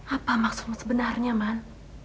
apa maksudmu sebenarnya man